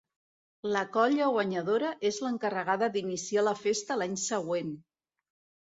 La colla guanyadora és l'encarregada d'iniciar la festa l'any següent.